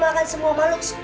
bisa makan semua makhluk sekuat